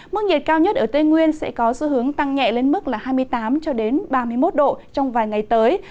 mức nhiệt cao nhất ở tây nguyên sẽ có xu hướng tăng nhẹ lên mức là hai mươi tám ba mươi một độ trong vài ngày tới